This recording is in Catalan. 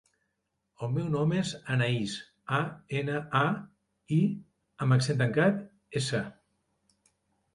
El meu nom és Anaís: a, ena, a, i amb accent tancat, essa.